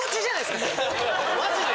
マジで？